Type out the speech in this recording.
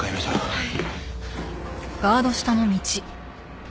はい。